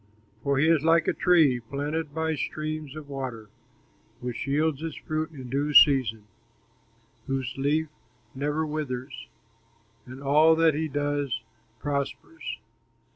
For he is like a tree planted by streams of water, Which yields its fruit in due season, Whose leaf never withers, And all that he does prospers.